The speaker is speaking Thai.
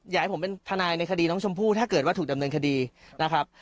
อยากให้ผมเป็นทนายในคดีน้องชมพู่ถ้าเกิดว่าถูกดำเนินคดีนะครับ